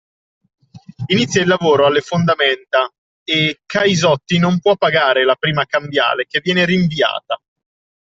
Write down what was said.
Inizia il lavoro alle fondamenta e Caisotti non può pagare la prima cambiale che viene rinviata